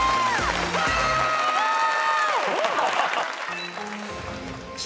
すごい！